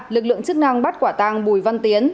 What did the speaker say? lực lượng chức năng bắt quả tàng bùi văn tiến